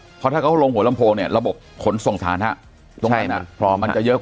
เพราะว่าถ้าเขาลงหัวลำโพงเนี่ยระบบขนส่งฐานฮะตรงนั้นมันจะเยอะกว่า